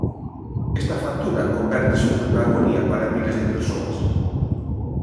Esta factura convértese nunha agonía para miles de persoas.